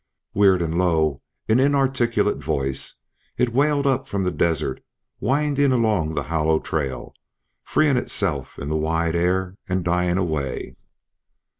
Weird and low, an inarticulate voice, it wailed up from the desert, winding along the hollow trail, freeing itself in the wide air, and dying away.